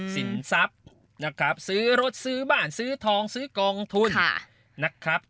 สินทรัพย์นะครับซื้อรถซื้อบ้านซื้อทองซื้อกองทุนนะครับ